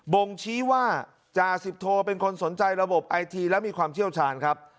บ่งชี้ว่าจ่าสิบโทเป็นคนสนใจระบบไอทีและมีความเชี่ยวชาญครับ